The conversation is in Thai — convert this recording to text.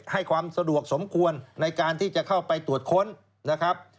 ให้ความสะดวกสมควรในการที่จะเข้าไปตรวจค้นนะครับ